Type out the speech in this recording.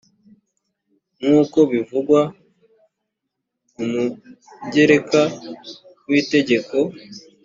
nk uko bivugwa mu mugereka wa w itegeko